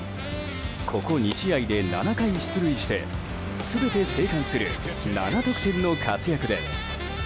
ここ２試合で７回出塁して全て生還する７得点の活躍です。